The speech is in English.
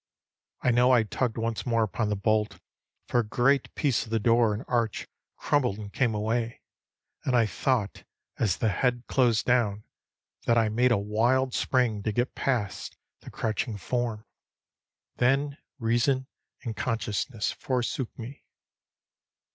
I know I tugged once more upon the bolt, for a great piece of the door and arch crumbled and came away; and I thought, as the head closed down, that I made a wild spring to get past the crouching form. Then reason and consciousness forsook me.